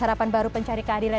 harapan baru pencari keadilan